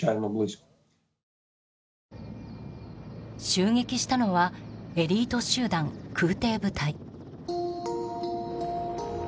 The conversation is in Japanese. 襲撃したのはエリート集団、空挺部隊。